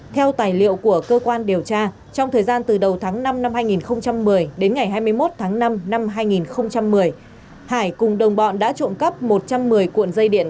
theo tài liệu của cơ quan điều tra trong thời gian từ đầu tháng năm năm hai nghìn một mươi đến ngày hai mươi một tháng năm năm hai nghìn một mươi hải cùng đồng bọn đã trộm cắp một trăm một mươi cuộn dây điện